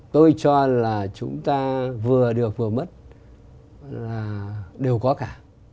tôi cho là chúng ta vừa được vừa mất là đều có cả